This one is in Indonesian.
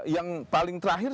yang paling terakhir